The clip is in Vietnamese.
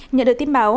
nhận được tin báo